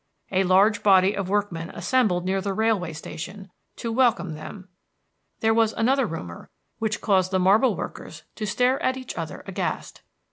A large body of workmen assembled near the railway station, to welcome them. There was another rumor which caused the marble workers to stare at each other aghast.